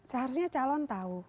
seharusnya calon tahu